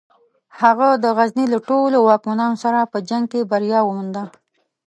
هغه د غزني له ټولو واکمنانو سره په جنګ کې بریا ومونده.